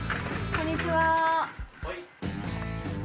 こんにちは。